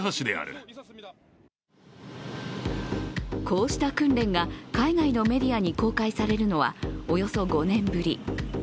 こうした訓練が海外のメディアに公開されるのは、およそ５年ぶり。